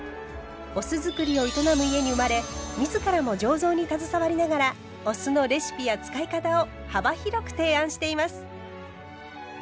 お酢造りを営む家に生まれ自らも醸造に携わりながらお酢のレシピや使い方を幅広く提案しています。